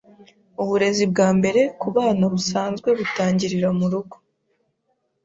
Uburezi bwambere kubana busanzwe butangirira murugo.